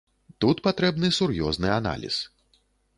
Тут патрэбны сур'ёзны аналіз.